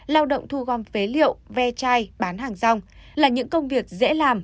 lao động thu gom phế liệu ve chai bán hàng rong là những công việc dễ làm